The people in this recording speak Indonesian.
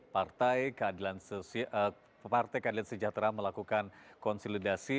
partai keadilan sejahtera melakukan konsolidasi